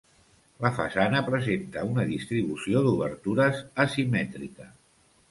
La façana presenta una distribució d'obertures asimètrica.